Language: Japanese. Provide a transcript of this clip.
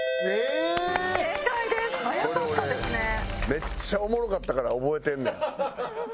めっちゃおもろかったから覚えてんねん。